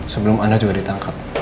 sebelum anda juga ditangkap